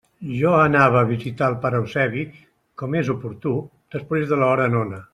Jo anava a visitar el pare Eusebi, com és oportú, després de l'hora nona.